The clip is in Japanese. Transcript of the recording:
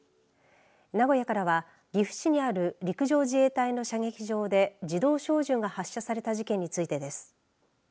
名古屋からは岐阜市にある陸上自衛隊の射撃場で自動小銃が発射された事件についてです。